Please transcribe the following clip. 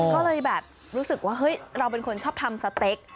ก็เลยแบบรู้สึกว่าเฮ้ยเราเป็นคนชอบทำสเต็ก